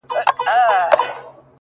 ستا دپښو سپين پايزيبونه زما بدن خوري;